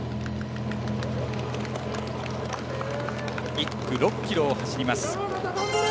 １区、６ｋｍを走ります。